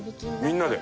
みんなで。